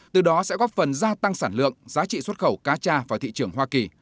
từ đó sẽ góp phần gia tăng sản lượng giá trị xuất khẩu cá cha vào thị trường hoa kỳ